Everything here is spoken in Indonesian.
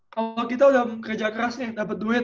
kalo kita udah kerja kerasnya dapet duit